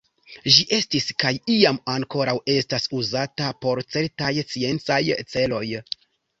Ĝi estis, kaj iam ankoraŭ estas, uzata por certaj sciencaj celoj.